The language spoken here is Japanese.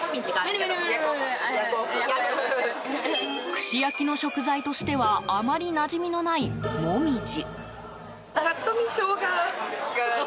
串焼きの食材としてはあまりなじみのないモミジ。